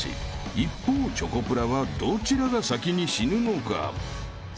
［一方チョコプラはどちらが先に死ぬのか］え！